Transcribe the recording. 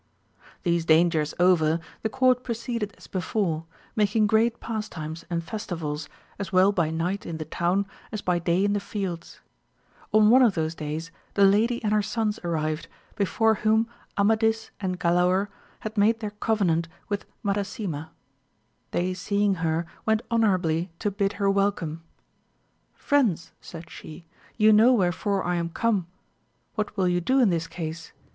These dangers over the court proceeded as before, making great pastimes and festivals as well by night in the town, as by day in the fields. On one of those days the lady and her sons arrived, before whom Amadis and Galaor had made their covenant with Madasima. They seeing her went honourably to bid her welcome. Friends, said she, you know wherefore I am come : what will you do in this case